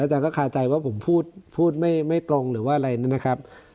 อาจารก็คาใจว่าผมพูดไม่ตรงหรือว่าอะไรนะครับ